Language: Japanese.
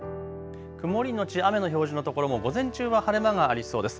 曇り後雨の表示の所も午前中は晴れ間がありそうです。